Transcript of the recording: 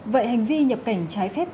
vậy hành vi nhập cảnh trái phép